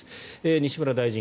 西村大臣